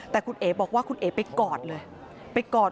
แต่คุณเอบอกว่าคุณเอไปกอดเลย